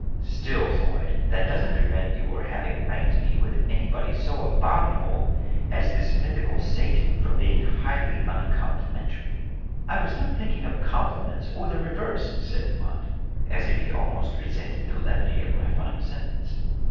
., Still, Floyd, that doesn't prevent your having ranked me with any body so abominable as this mythical Satan from being highly uncom plimentary." " I was not thinking of compliments or their reverse," said Demotte, as if he almost resented the levity of my final sentence.